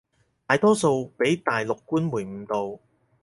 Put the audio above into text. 大多數畀大陸官媒誤導